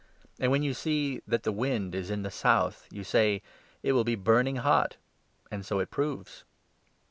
And 55 when you see that the wind is in the south, you say ' It will be burning hot, 'and so it proves.